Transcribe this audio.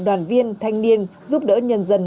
đoàn viên thanh niên giúp đỡ nhân dân